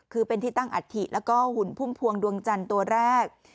คือเป็นที่ตั้งอัฐิแล้วก็หุ่นพุ่มพวงดวงจันทร์ตัวแรก